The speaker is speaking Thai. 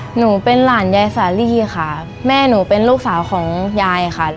หนูเป็นหลานยายสาลีค่ะแม่หนูเป็นลูกสาวของยายค่ะ